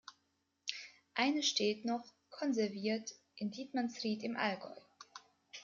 Eine steht noch, konserviert, in Dietmannsried im Allgäu.